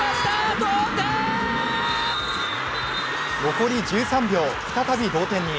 残り１３秒、再び同点に。